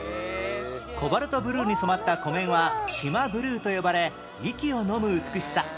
コバルトブルーに染まった湖面は四万ブルーと呼ばれ息をのむ美しさ